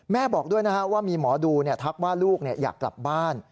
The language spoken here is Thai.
บอกด้วยนะฮะว่ามีหมอดูทักว่าลูกอยากกลับบ้าน